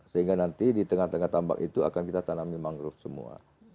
sehingga nanti di tengah tengah tambak itu akan kita tanami mangrove semua